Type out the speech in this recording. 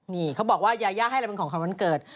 นี่เขาบอกว่ายาย่าให้เราเป็นของขวัญวันเกิด